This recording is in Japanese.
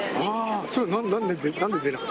それはなんで出なかった？